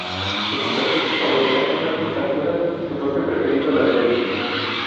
Su superficie favorita son las pistas duras y su golpe preferido la derecha.